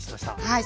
はい。